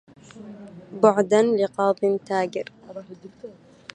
بعدا لقاض تاجر